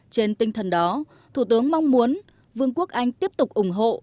trên tinh thần đó thủ tướng mong muốn vương quốc anh tiếp tục ủng hộ